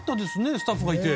スタッフがいて。